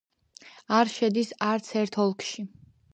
არ შედის არც ერთ ოლქში.